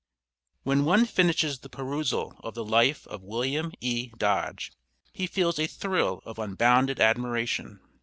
When one finishes the perusal of the life of William E. Dodge, he feels a thrill of unbounded admiration.